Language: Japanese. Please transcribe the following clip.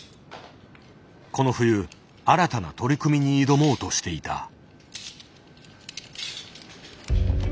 この冬新たな取り組みに挑もうとしていた。